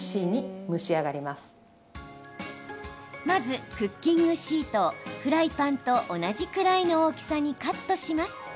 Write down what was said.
まず、クッキングシートをフライパンと同じくらいの大きさにカットします。